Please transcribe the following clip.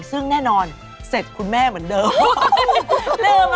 ซึ่งแน่นอนเสร็จคุณแม่เหมือนเดิม